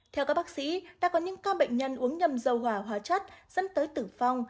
theo các bác sĩ đã có những ca bệnh nhân uống nhầm dầu hỏa hóa chất dẫn tới tử vong